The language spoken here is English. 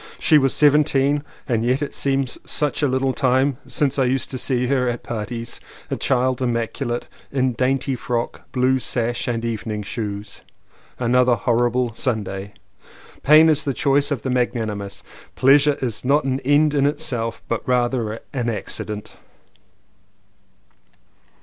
She was seventeen and yet it seems such a little time since I used to see her at parties — a child im maculate, in dainty frock, blue sash and evening shoes. Another horrible Sunday. "Pain is the choice of the magnanimous." "Pleasure is not an end in itself but rather an accident."